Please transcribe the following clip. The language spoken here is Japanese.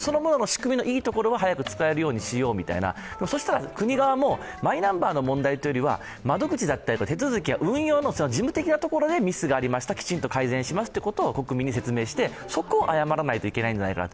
僕らは運用が悪いんだったら運用をちゃんと直してもらってマイナンバーそのものの仕組みのいいところは早く使えるようにしようみたいな、そしたら国側も、マイナンバーの問題というよりは、窓口だったり手続きの運用、事務的な手続きにミスがありました、きちんと改善しますということを国民に説明して、そこを謝らないといけないんじゃないかな。